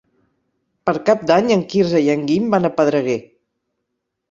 Per Cap d'Any en Quirze i en Guim van a Pedreguer.